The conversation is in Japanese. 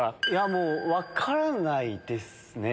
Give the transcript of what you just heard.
もう分からないですね。